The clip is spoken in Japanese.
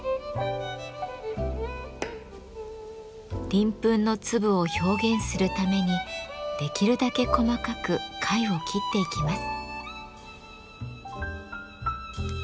鱗粉の粒を表現するためにできるだけ細かく貝を切っていきます。